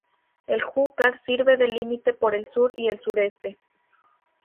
El Júcar sirve de límite por el sur y el sureste.